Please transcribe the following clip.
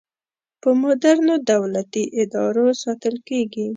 په مدرنو دولتي ادارو ساتل کیږي.